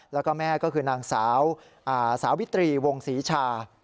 แล้วก็แม่ก็คือนางสาวสาวิตรีวงศรีชา